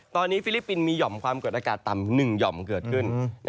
ตอนนี้ฟิลิปปินส์มีห่อมความกดอากาศต่ำ๑หย่อมเกิดขึ้น